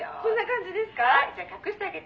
「じゃあ隠してあげて」